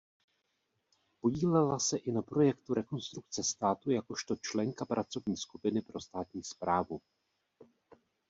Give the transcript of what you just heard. Podílela se i na projektu Rekonstrukce státu jakožto členka pracovní skupiny pro státní správu.